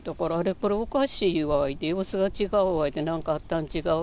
これ、おかしいわ言うて、様子が違うわ言うて、なんかあったんちがう？